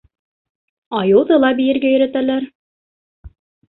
Айыуҙы ла бейергә өйрәтәләр.